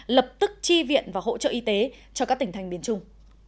lập tức tri viện và hỗ trợ y tế cho các tỉnh thành miền trung